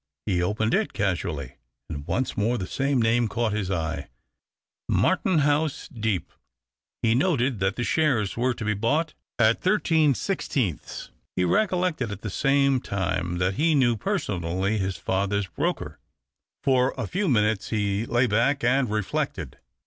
He opened it casually, and once more the same name caught his eye — Marten huis Deep. He noted that the shares were to 1)0 bought at 13 16. He recollected at the same time that he knew personally his father's broker. For a few minutes he lay back and reflected.